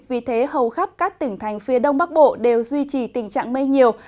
vì thế hầu khắp các tỉnh thành phía đông bắc bộ đều duy trì tình trạng mây nhiều